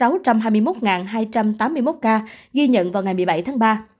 hàn quốc đã thông báo ghi nhận sáu trăm hai mươi một hai trăm tám mươi một ca ghi nhận vào ngày một mươi bảy tháng ba